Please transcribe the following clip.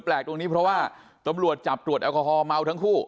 ตรงนี้เพราะว่าตำรวจจับตรวจแอลกอฮอลเมาทั้งคู่